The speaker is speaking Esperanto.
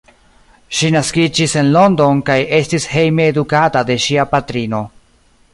Ŝi naskiĝis en London kaj estis hejme edukata de ŝia patrino.